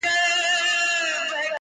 د ورځو په رڼا کي خو نصیب نه وو منلي!.